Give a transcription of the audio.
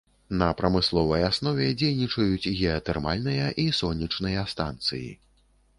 На прамысловай аснове дзейнічаюць геатэрмальныя і сонечныя станцыі.